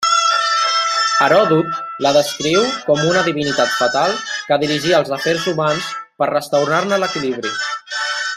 Heròdot la descriu com una divinitat fatal que dirigia els afers humans per restaurar-ne l'equilibri.